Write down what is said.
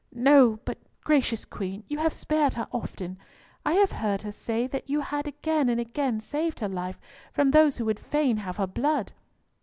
"No. But, gracious Queen, you have spared her often; I have heard her say that you had again and again saved her life from those who would fain have her blood."